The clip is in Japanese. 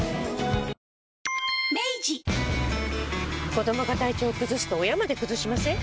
子どもが体調崩すと親まで崩しません？